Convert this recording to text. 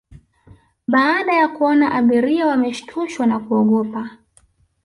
Baada ya kuona abiria wameshtushwa na kuogopa